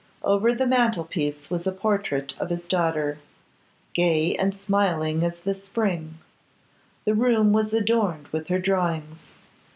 Over the mantel piece was a portrait of his daughter, gay and smiling as the spring; the room was adorned with her drawings.